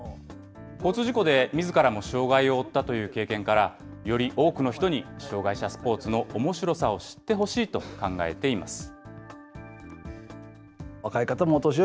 交通事故でみずからも障害を負ったという経験から、より多くの人に障害者スポーツのおもしろさを知ってほしいと考えています。